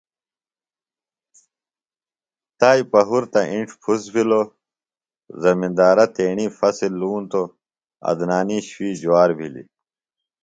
تائی پہُرتہ انڇ پُھس بِھلوۡ۔ زمندارہ تیݨی فصۡل لونۡتوۡ .عدنانی شُوِئی جُوار بِھلیۡ۔